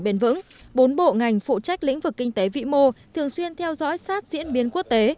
bền vững bốn bộ ngành phụ trách lĩnh vực kinh tế vĩ mô thường xuyên theo dõi sát diễn biến quốc tế